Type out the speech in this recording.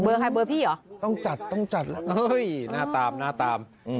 เบอร์ใครเบอร์พี่หรอต้องจัดต้องจัดน่าตามน่าตาม